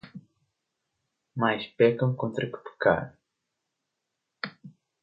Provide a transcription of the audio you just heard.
Mais pecam contra que pecar